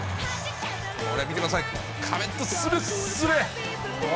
これ、見てください、壁とすれすれ。